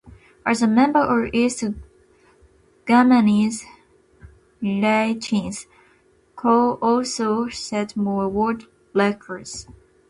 As a member of East Germany's relay teams, Koch also set more world records.